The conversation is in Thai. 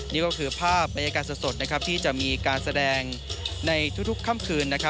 นี่ก็คือภาพบรรยากาศสดที่จะมีการแสดงในทุกค่ำคืน